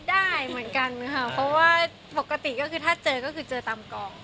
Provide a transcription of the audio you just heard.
ได้เหมือนกันค่ะเพราะว่าปกติก็คือถ้าเจอก็คือเจอตามกอง